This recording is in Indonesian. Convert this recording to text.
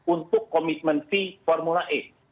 untuk komitmen fee formula e